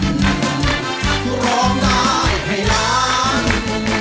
ยินดีด้วยค่ะ